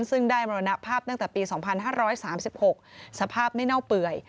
ซึ่งได้มรณภาพตั้งแต่ปี๒๕๓๖สภาพไม่เน่าเปื่อย